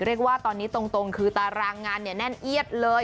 เรียกว่าตอนนี้ตรงคือตารางงานเนี่ยแน่นเอียดเลย